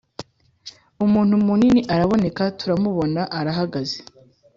Umuntu munini araboneka turamubona arahagaze.